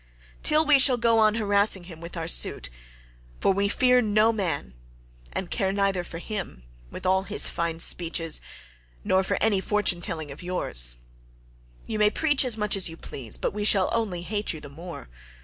Till then we shall go on harassing him with our suit; for we fear no man, and care neither for him, with all his fine speeches, nor for any fortune telling of yours. You may preach as much as you please, but we shall only hate you the more.